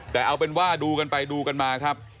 แต่เอาเป็นว่าดูกันไปดูกันมาครับ